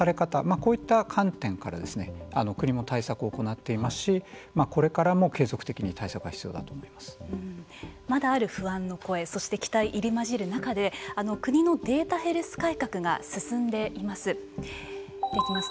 こういった観点から国も対策を行っていますしこれからも継続的に対策がまだある不安の声そして期待の入りまじる中で国のデータヘルス改革が進んでいます。